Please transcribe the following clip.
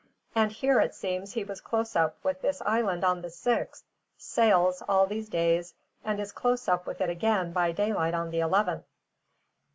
And here, it seems, he was close up with this island on the sixth, sails all these days, and is close up with it again by daylight on the eleventh."